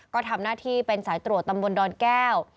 ก็ทำหน้าที่เป็นสายตรวจตำบลดอนแก้ว